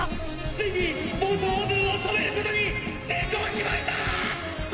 ついに暴走オードゥンを止めることに成功しましたーっ！！」